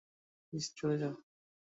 Please চলে যাও।